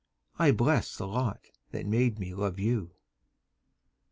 I bless the lot that made me love you.